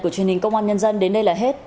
chương trình công an nhân dân đến đây là hết